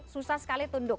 susah sekali tunduk